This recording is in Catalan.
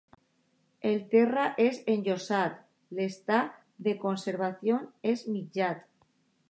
El terra és enllosat, l'estat de conservació és mitjà.